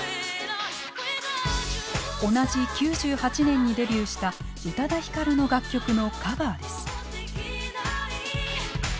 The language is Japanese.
同じ９８年にデビューした宇多田ヒカルの楽曲のカバーです。